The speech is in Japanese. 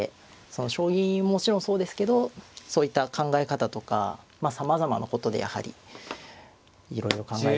その将棋ももちろんそうですけどそういった考え方とかまあさまざまなことでやはりいろいろ考え